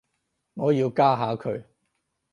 我要加下佢